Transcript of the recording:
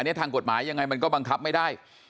อันนี้ทางกฎหมายยังไงมันก็บังคับไม่ได้